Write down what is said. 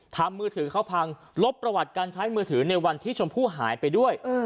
มือถือเขาพังลบประวัติการใช้มือถือในวันที่ชมพู่หายไปด้วย